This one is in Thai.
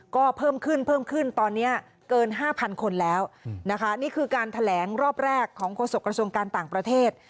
ก็เพิ่มขึ้นตอนนี้เกิน๕๐๐๐คนแล้วคือการแถลงรอบแรกของโครสกระทรวงการต่างประเทศ